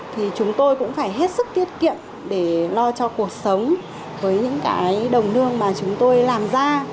thì chúng tôi cũng phải hết sức tiết kiệm để lo cho cuộc sống với những cái đồng lương mà chúng tôi làm ra